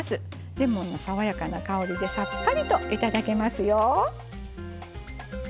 レモンの爽やかな香りでさっぱりと頂けますよ。